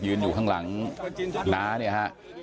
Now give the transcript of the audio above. ยืนอยู่ข้างหลังน้านี่ครับ